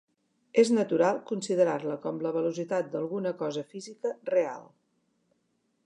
És natural considerar-la com la velocitat d'alguna cosa física real.